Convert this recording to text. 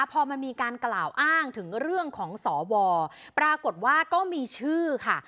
พอมันมีการกล่าวอ้างถึงเรื่องของสวปรากฏว่าก็มีชื่อค่ะ